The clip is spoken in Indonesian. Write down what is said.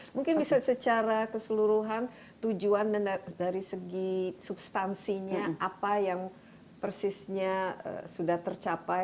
mungkin bisa secara keseluruhan tujuan dan dari segi substansinya apa yang persisnya sudah tercapai